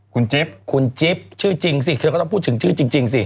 คุณจิ๊บคุณจิ๊บชื่อจริงสิเธอก็ต้องพูดถึงชื่อจริงสิ